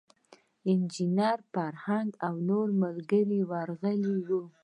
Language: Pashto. انجینیر فرهنګ او نور ملګري ورغلي وو.